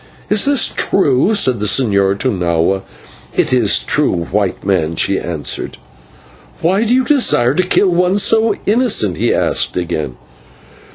"Is this true?" said the señor to Nahua. "It is true, White Man," she answered. "Why do you desire to kill one so innocent?" he asked again.